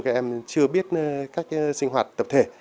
các em chưa biết cách sinh hoạt tập thể